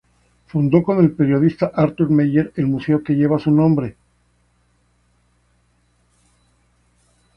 Fundó con el periodista Arthur Meyer el museo que lleva su nombre.